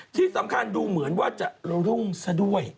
ที่สำคัญดูเหมือนว่าจะรุ่งซะด้วย